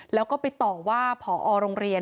แล้วก็ไปต่อว่าผอโรงเรียน